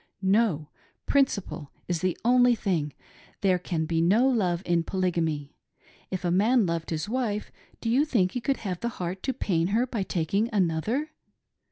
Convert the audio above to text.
No ! principle is the only thing, — there can be no love in Polygamy. If a man loved his wife do you think he could have the heart to pain her by taking another.'